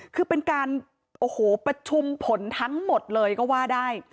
คือเป็นการโอ้โหประชุมผลทั้งหมดเลยก็ว่าได้